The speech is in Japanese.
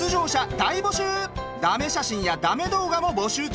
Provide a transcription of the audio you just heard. だめ写真やだめ動画も募集中。